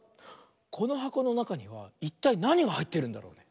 このはこのなかにはいったいなにがはいってるんだろうね？